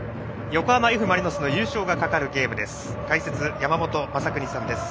横浜Ｆ・マリノスの優勝が懸かるゲームです。